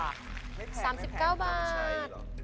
๓๙บาท